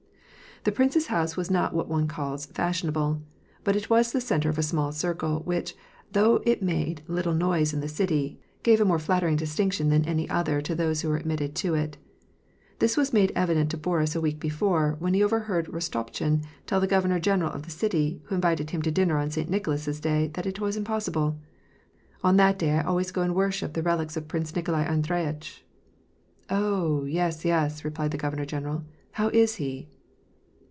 The prince's house was not what one calls *' fashionable," but it was the centre of a small circle, which, though it niade little noise in the city, gave a more flattering distinction than any other to those who were admitted to it. This was made evi dent to Boris a week before, when he overheard Rostopehin tell the governor general of the city, who invited him to dinner on St. Nicholas's Day, that it was impossible. " On that day I always go and worship the relics of Prince Nikolai Andre yitch." " Oh, yes, yes," replied the governor general. " How is he